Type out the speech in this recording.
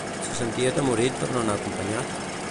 Se sentia atemorit per no anar acompanyat?